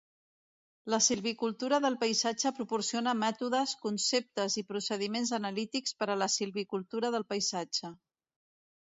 La silvicultura del paisatge proporciona mètodes, conceptes i procediments analítics per a la silvicultura del paisatge.